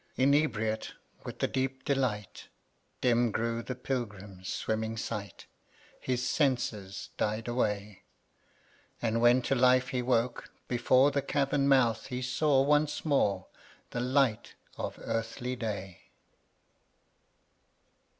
31. Inebriate with the deep delight. Dim grew the Pilgrim's swimming sight; His senses died away ; And when to life he woke, before The Cavern mouth he saw once more The light of earthly day.